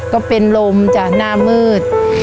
ก็เป็นลมจ้ะหน้ามืด